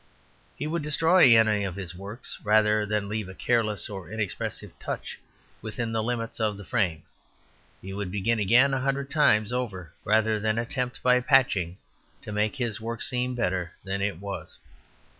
"He would destroy any of his works rather than leave a careless or inexpressive touch within the limits of the frame. He would begin again a hundred times over rather than attempt by patching to make his work seem better than it was."